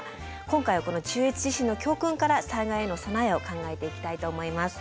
今回はこの中越地震の教訓から災害への備えを考えていきたいと思います。